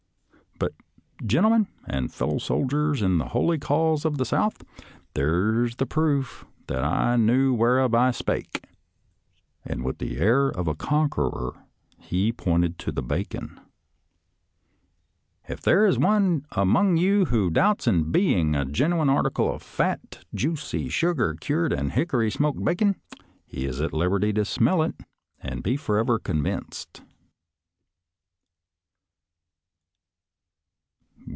But, gentlemen and fellow soldiers in the holy cause of the South, there is the proof that I knew whereof I spake," and with the air of a conqueror he pointed to the bacon. " If there is one among you who doubts its being a genuine article of fat, juicy, sugar cured, and hickory smoked bacon, he is at liberty to smell it and be forever convinced."